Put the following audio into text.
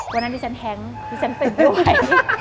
วันนั้นพี่เซ็นท์แฮงพี่เซ็นท์เป็นด้วย